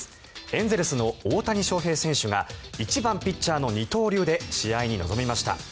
エンゼルスの大谷翔平選手が１番ピッチャーの二刀流で試合に臨みました。